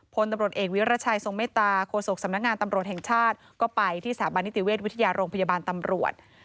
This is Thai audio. พลตำรวจเอกวิรัชัยทรงเมตตาโฆษกสำนักงานตำรวจแห่งชาติก็ไปที่สถาบันนิติเวชวิทยาโรงพยาบาลตำรวจ